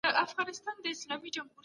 دا پېښه هغه وخت کيږي چي اړيکي کمزورې وي.